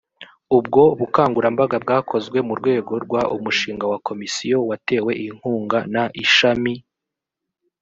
ubwo bukangurambaga bwakozwe mu rwego rw umushinga wa komisiyo watewe inkunga n ishami